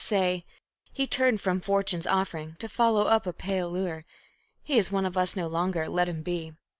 Say: "He turned from Fortune's offering to follow up a pale lure, He is one of us no longer let him be."